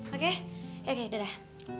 oke oke dadah